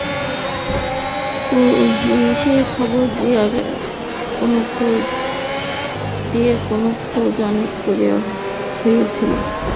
পুলিসে খবর দিয়া খোঁজ অনেক করা হইয়াছিল, কিন্তু কোনো ফল হইল না।